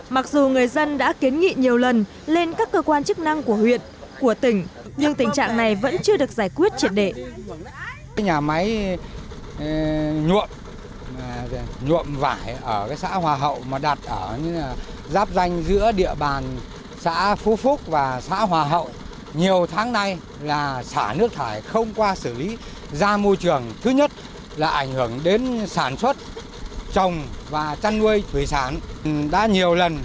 mặc dù người dân đã xử lý được nguồn nước thải đã thu gom mà vẫn vô tư xả thải trực tiếp ra hệ thống canh tưới tiêu